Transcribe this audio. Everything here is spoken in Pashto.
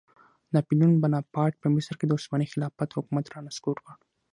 ناپیلیون بناپارټ په مصر کې د عثماني خلافت حکومت رانسکور کړ.